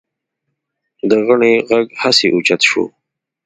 د غنړې غږ هسې اوچت شو.